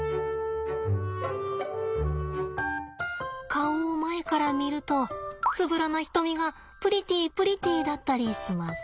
顔を前から見るとつぶらな瞳がプリティープリティーだったりします。